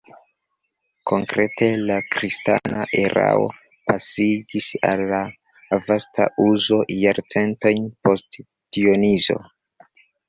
Konkrete la kristana erao pasigis al la vasta uzo jarcentojn post Dionizo.